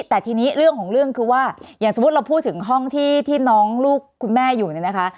แต่ทีนี้เรื่องของเรื่องคือว่าอย่างสมมุติเราพูดถึงห้องที่น้องลูกคุณแม่อยู่เนี่ยนะคะ